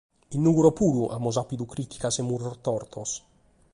In Nùgoro puru amus àpidu crìticas e murros tortos!